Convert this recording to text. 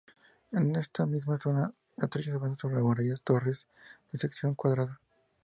En esta misma zona, a trechos, avanzan sobre la muralla torres de sección cuadrada.